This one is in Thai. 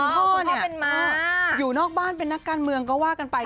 คุณพ่อเนี่ยอยู่นอกด้านเป็นนักกาลเมืองก็ว่ากันไป